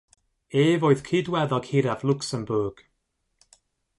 Ef oedd cydweddog hiraf Luxembourg.